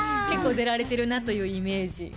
結構出られてるなというイメージ。